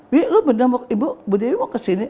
bik lu bener bu dewi mau kesini